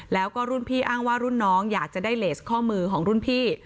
แล้วก็รุ่นพี่อ้างว่ารุ่นน้องอยากจะได้เลสข้อมือของรุ่นพี่